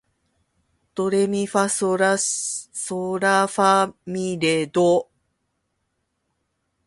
ドレミファソーラファ、ミ、レ、ドー